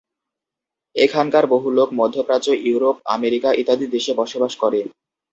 এখানকার বহু লোক মধ্যপ্রাচ্য, ইউরোপ, আমেরিকা ইত্যাদি দেশে বসবাস করে।